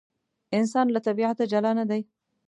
انسان له طبیعته جلا نه دی.